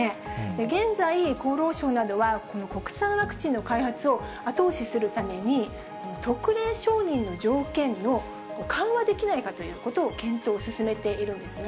現在、厚労省などは、この国産ワクチンの開発を後押しするために、特例承認の条件を緩和できないかということを検討を進めているんですね。